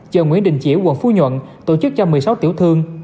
chợ nguyễn đình chiểu quận phú nhuận tổ chức cho một mươi sáu tiểu thương